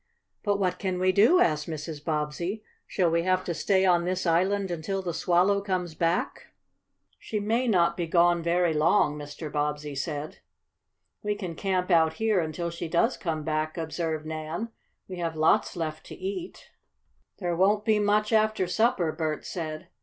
"But what can we do?" asked Mrs. Bobbsey. "Shall we have to stay on this island until the Swallow comes back?" "She may not be gone very long," Mr. Bobbsey said. "We can camp out here until she does come back," observed Nan. "We have lots left to eat." "There won't be much after supper," Bert said.